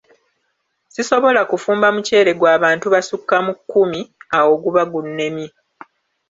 Sisobola kufumba muceere gwa bantu basukka mu kkumi, awo guba gunnemye.